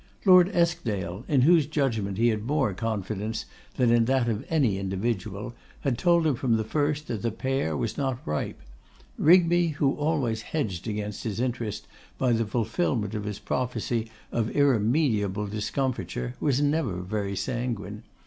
Lord Eskdale, in whose judgment he had more confidence than in that of any individual, had told him from the first that the pear was not ripe; Rigby, who always hedged against his interest by the fulfilment of his prophecy of irremediable discomfiture, was never very sanguine.